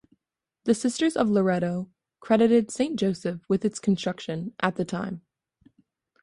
The Sisters of Loretto credited Saint Joseph with its construction, at the time.